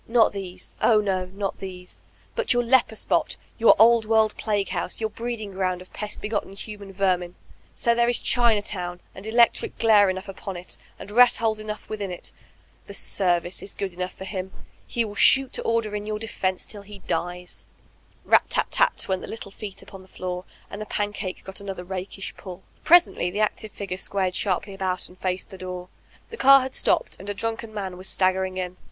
Not these, oh no, not these. But your leper spot, your Old World plague house, your breeding ground of pest begotten human ver min 1 So there is Chinatown, and electric glare enot^ upon it, and rat holes enough within it, ''the service*' is good enough foi him, — he will shoot to order in your defense till he dies I Rat tat tat went the little feet upon the floor, and tiie pancake got another rakish pulL Presently the active figure squared sharply about and faced the door. The car had stopped, and a drunken man was staggering in.